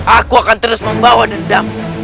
aku akan terus membawa dendam